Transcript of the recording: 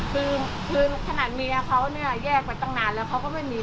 คือขนาดเมียเขาเนี่ยแยกไปตั้งนานแล้วเขาก็ไม่มี